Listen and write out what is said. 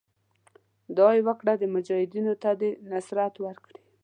دعا یې وکړه مجاهدینو ته دې نصرت ورکړي.